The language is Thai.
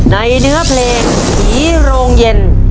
ในเนื้อเพลงผีโรงเย็น